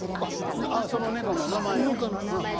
あっその猫の名前を？